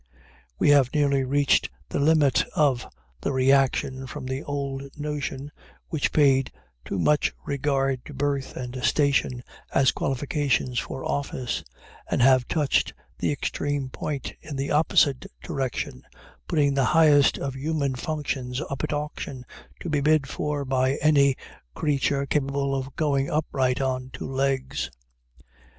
We have nearly reached the limit of the reaction from the old notion, which paid too much regard to birth and station as qualifications for office, and have touched the extreme point in the opposite direction, putting the highest of human functions up at auction to be bid for by any creature capable of going upright on two legs.